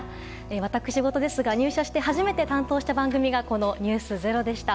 私事ですが入社して初めて担当した番組がこの「ｎｅｗｓｚｅｒｏ」でした。